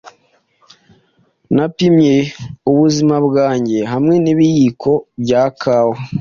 Napimye ubuzima bwanjye hamwe nibiyiko bya kawa